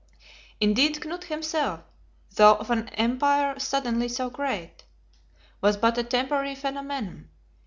Indeed Knut himself, though of an empire suddenly so great, was but a temporary phenomenon.